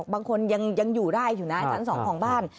บางคนยังอยู่ได้อยู่นะชั้น๒ของบ้าน